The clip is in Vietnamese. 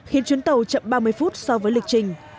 ba mươi phút so với lịch trình